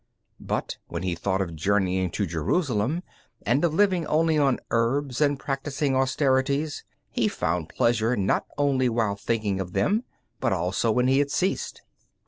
But when he thought of journeying to Jerusalem, and of living only on herbs, and practising austerities, he found pleasure not only while thinking of them, but also when he had ceased.